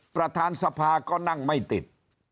ประธานสภาก็นั่งไม่ติด